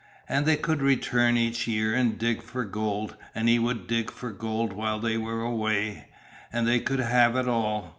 And they could return each year and dig for gold, and he would dig for gold while they were away, and they could have it all.